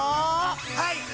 はい！